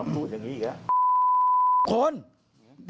พูดอย่างนี้อีกแล้ว